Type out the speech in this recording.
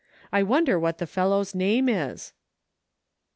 I wonder what the fellow's name is